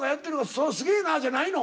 「それすげえな！」じゃないの？